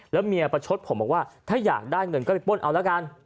แล้วเมียประชดผมบอกว่าถ้าอยากได้เงินก็ไปป้นเอาละกัน